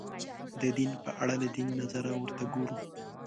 د دین په اړه له دین نظره ورته وګورو